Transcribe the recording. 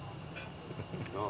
どう？